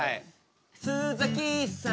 洲崎さん